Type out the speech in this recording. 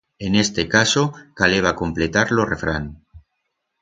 En este caso, caleba completar lo refrán.